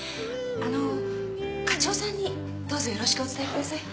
あの課長さんにどうぞよろしくお伝えください。